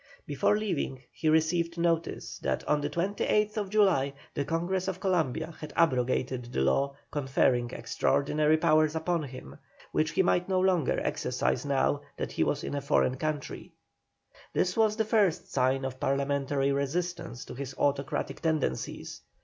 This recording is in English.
Before leaving he received notice that on the 28th July the Congress of Columbia had abrogated the law conferring extraordinary powers upon him, which he might no longer exercise now that he was in a foreign country. This was the first sign of Parliamentary resistance to his autocratic tendencies.